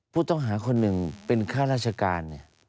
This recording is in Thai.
ผู้ต้องหาคนหนึ่งเป็นข้าราชการ